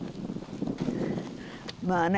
まあね